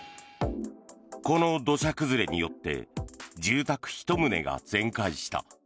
この土砂崩れによって住宅１棟が全壊した。